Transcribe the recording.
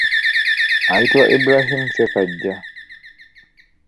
Ayitibwa Ibrahin Ssekaggya.